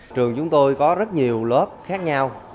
trường chúng tôi có rất nhiều lớp khác nhau